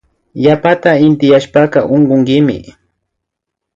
Yapata intiyashpaka unkunkimi